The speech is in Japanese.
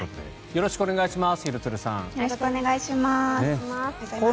よろしくお願いします。